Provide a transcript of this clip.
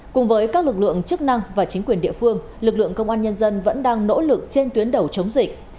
cùng với các lực lượng chức năng và chính quyền địa phương lực lượng công an nhân dân vẫn đang nỗ lực trên tuyến đầu chống dịch